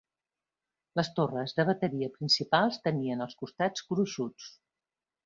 Les torres de bateria principals tenien els costats gruixuts.